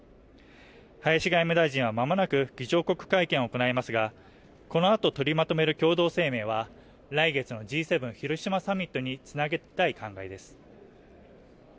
林外務大臣はまもなく、議長国会見を行いますが、この後取りまとめる共同声明は来月のＧ７広島サミットに繋げたい考えです。